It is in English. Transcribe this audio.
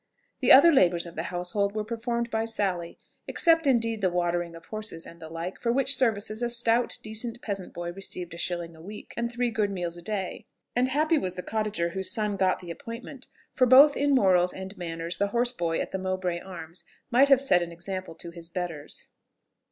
The other labours of the household were performed by Sally, except indeed the watering of horses, and the like, for which services a stout, decent peasant boy received a shilling a week, and three good meals a day: and happy was the cottager whose son got the appointment, for both in morals and manners the horse boy at the Mowbray Arms might have set an example to his betters.